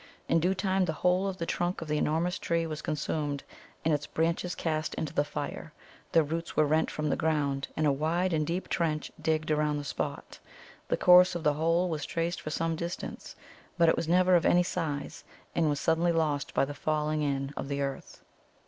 In due time the whole of the trunk of the enormous tree was consumed, and its branches cast into the fire. The roots were rent from the ground, and a wide and deep trench digged around the spot. The course of the hole was traced for some distance, but it was never of any size, and was suddenly lost by the falling in of the earth.